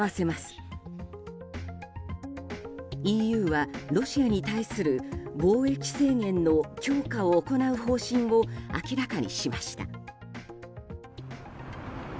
ＥＵはロシアに対する貿易制限の強化を行う方針を明らかにしました。